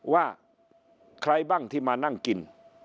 ว่าใครบ้างที่มานั่งกิน